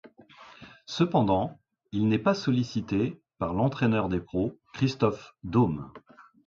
Cependant, il n'est pas sollicité par l'entraîneur des pros Christoph Daum.